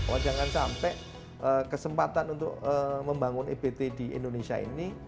oh jangan sampai kesempatan untuk membangun ebt di indonesia ini